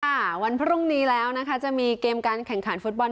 วันพรุ่งนี้แล้วนะคะจะมีเกมการแข่งขันฟุตบอล